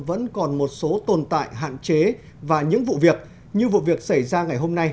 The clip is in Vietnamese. vẫn còn một số tồn tại hạn chế và những vụ việc như vụ việc xảy ra ngày hôm nay